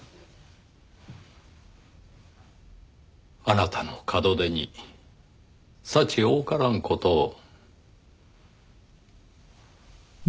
あなたの門出に幸多からん事を。